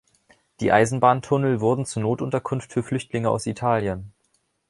Die Eisenbahntunnel wurden zur Notunterkunft für Flüchtlinge aus Italien.